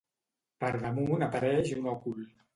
Per damunt apareix un òcul.